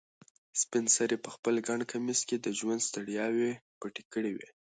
سپین سرې په خپل ګڼ کمیس کې د ژوند ستړیاوې پټې کړې وې.